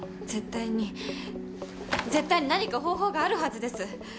絶対に絶対に何か方法があるはずです。